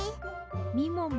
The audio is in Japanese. みもも